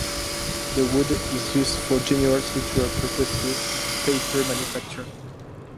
The wood is used for general structural purposes and paper manufacture.